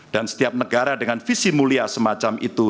dan setiap negara dengan visi mulia semacam itu